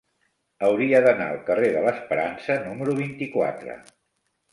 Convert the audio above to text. Hauria d'anar al carrer de l'Esperança número vint-i-quatre.